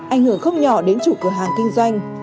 ảnh hưởng không nhỏ đến chủ cửa hàng kinh doanh